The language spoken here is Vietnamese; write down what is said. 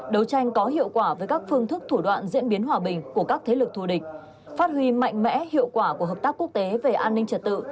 đấu tranh có hiệu quả với các phương thức thủ đoạn diễn biến hòa bình của các thế lực thù địch phát huy mạnh mẽ hiệu quả của hợp tác quốc tế về an ninh trật tự